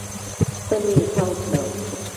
ستن يې تاو کړه.